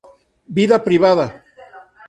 Vida Privada